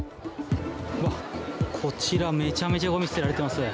うわっ、こちらめちゃめちゃごみ捨てられています。